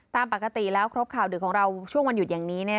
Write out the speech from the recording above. ตามปกติแล้วครบข่าวดึกของเราช่วงวันหยุดอย่างนี้